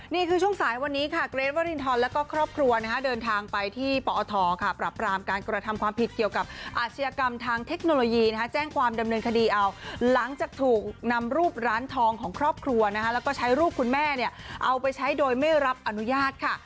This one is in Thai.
นี่คือช่วงสายวันนี้ค่ะเกรทวรินทรแล้วก็ครอบครัวนะฮะเดินทางไปที่ปอทค่ะปรับรามการกระทำความผิดเกี่ยวกับอาชญากรรมทางเทคโนโลยีแจ้งความดำเนินคดีเอาหลังจากถูกนำรูปร้านทองของครอบครัวนะคะแล้วก็ใช้รูปคุณแม่เนี่ยเอาไปใช้โดยไม่รับอนุญาตค่ะ